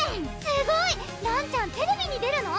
すごい！らんちゃんテレビに出るの？